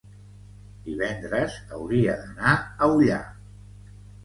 divendres hauria d'anar a Ullà.